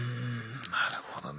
なるほどな。